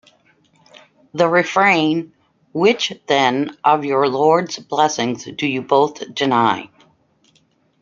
The refrain, Which, then, of your Lord's blessings do you both deny?